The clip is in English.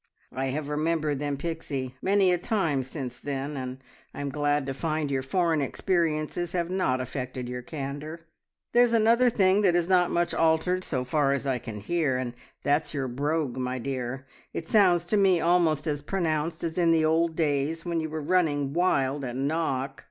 I have remembered them, Pixie, many a time since then, and I'm glad to find your foreign experiences have not affected your candour. There's another thing that is not much altered, so far as I can hear and that's your brogue, my dear! It sounds to me almost as pronounced as in the old days when you were running wild at Knock."